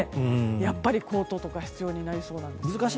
やっぱりコートとか必要になりそうです。